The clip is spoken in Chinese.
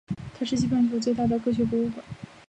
它是西半球最大的科学博物馆。